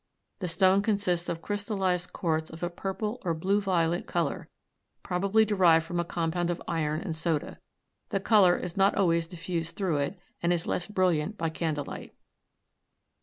The stone consists of crystallized quartz of a purple or blue violet color, probably derived from a compound of iron and soda. The color is not always diffused through it, and is less brilliant by candlelight.